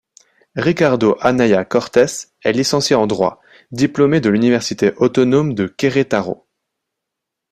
Ricardo Anaya Cortés est licencié en droit, diplômé de l'université autonome de Querétaro.